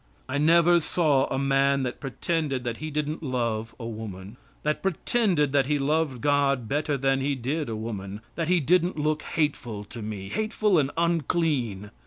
I never saw a man that pretended that he didn't love a woman; that pretended that he loved God better than he did a woman, that he didn't look hateful to me, hateful and unclean.